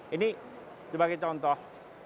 ini sebagai contoh